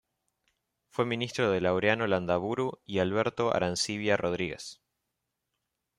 Fue ministro de Laureano Landaburu y Alberto Arancibia Rodríguez.